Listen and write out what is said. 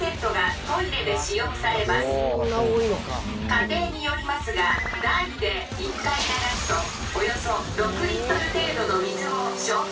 「家庭によりますが大で１回流すとおよそ６リットル程度の水を消費します」。